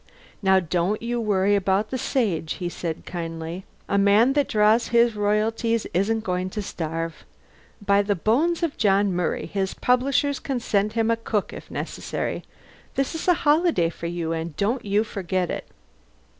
"Now don't you worry about the Sage," he said kindly. "A man that draws his royalties isn't going to starve. By the bones of John Murray, his publishers can send him a cook if necessary! This is a holiday for you, and don't you forget it."